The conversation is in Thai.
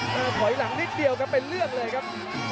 กระโดยสิ้งเล็กนี่ออกกันขาสันเหมือนกันครับ